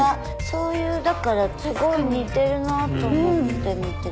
そういうだからすごい似てるなと思って見てて。